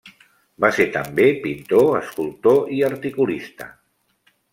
Va ser també pintor, escultor i articulista.